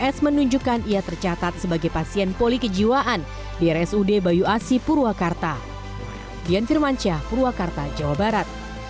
ps menunjukkan ia tercatat sebagai pasien poli kejiwaan di rsud bayu asi purwakarta